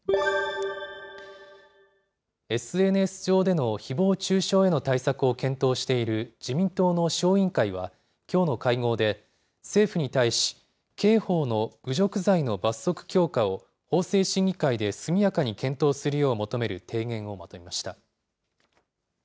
ＳＮＳ上でのひぼう中傷への対策を検討している自民党の小委員会は、きょうの会合で、政府に対し、刑法の侮辱罪の罰則強化を法制審議会で速やかに検討するよう求める提言をまとめました。